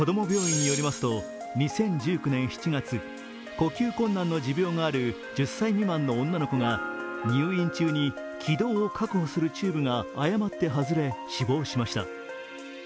病院によりますと２０１９年７月、呼吸困難の持病がある１０歳未満の女の子が入院中に気道を確保するチューブが誤って外れ、死亡しました。